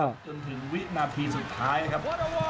จนถึงวินาทีสุดท้ายนะครับ